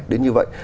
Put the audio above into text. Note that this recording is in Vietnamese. đến như vậy